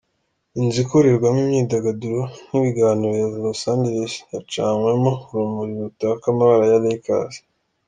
Inzu ikorerwamo imyidagaruro n'ibiganiro ya Los Angeles yacanywemo urumuri rutaka amabara ya Lakers.